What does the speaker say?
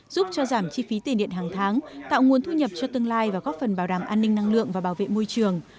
giúp cho giảm chi phí tiền điện hàng tháng tạo nguồn thu nhập cho tương lai và góp phần bảo đảm an ninh năng lượng và bảo vệ môi trường